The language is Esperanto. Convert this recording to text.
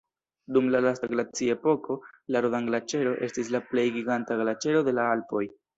Dum la lasta glaciepoko la Rodan-Glaĉero estis la plej giganta glaĉero de la Alpoj.